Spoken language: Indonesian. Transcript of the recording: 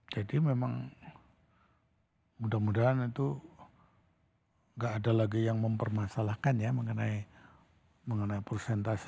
jadi memang mudah mudahan itu enggak ada lagi yang mempermasalahkan ya mengenai presentasi